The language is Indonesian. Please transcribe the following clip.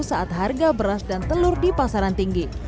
saat harga beras dan telur di pasaran tinggi